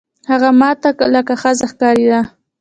هغه ما ته لکه ښځه ښکارېده.